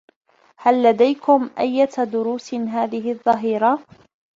هل لديكم أيّة دروس هذه الظّهيرة؟